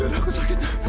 dara aku sakit